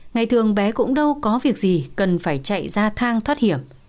ngày thường bé cũng đâu có việc gì cần phải chạy ra thang thoát hiểm